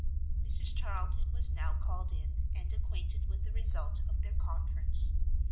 Mrs Charlton was now called in, and acquainted with the result of their conference.